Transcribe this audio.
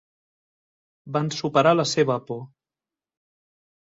Van superar la seva por.